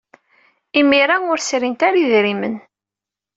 Imir-a, ur srint ara idrimen.